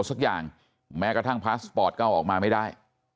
สักอย่างแม้กระทั่งพาสปอร์ตก็เอาออกมาไม่ได้